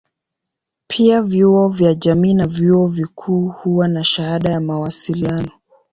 Pia vyuo vya jamii na vyuo vikuu huwa na shahada ya mawasiliano.